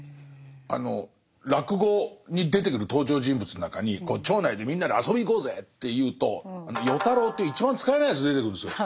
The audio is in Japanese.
あの落語に出てくる登場人物の中に町内でみんなで遊びに行こうぜっていうと与太郎っていう一番使えないやつ出てくるんですよ。